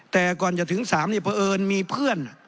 แต่ก่อนจะถึง๓เนี่ยเพราะเอิญมีเพื่อน